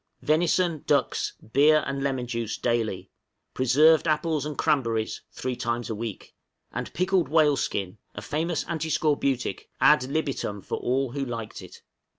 Venison, ducks, beer and lemon juice, daily; preserved apples and cranberries three times a week; and pickled whale skin a famous antiscorbutic ad libitum for all who liked it.